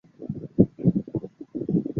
途经大卫克洛科特国家森林。